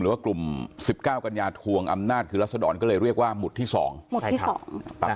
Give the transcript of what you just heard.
หรือกลุ่มสิบเก้ากัญญาทวงอำนาจคือรัศดรก็เลยเรียกว่าหมุดที่สองหมุดที่สองใช่ครับ